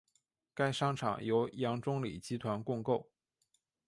该商场由杨忠礼集团共构。